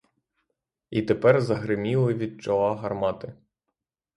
І тепер загриміли від чола гармати.